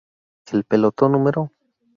El Pelotón No.